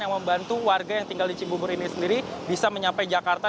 yang membantu warga yang tinggal di cibubur ini sendiri bisa menyapai jakarta